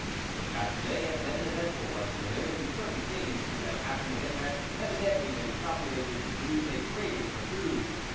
The past day had been an eventful one for him, and certain things which had happened to him had evidently been calculated to produce a craving for food.